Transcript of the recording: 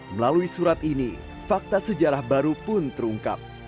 melalui surat ini fakta sejarah baru pun terungkap